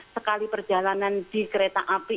sekali perjalanan di kereta api